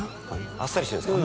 「あっさりしてるんですか？」